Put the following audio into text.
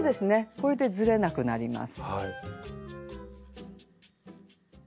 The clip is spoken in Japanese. これでずれなくなります。